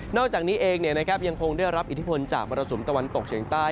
อกจากนี้เองยังคงได้รับอิทธิพลจากมรสุมตะวันตกเฉียงใต้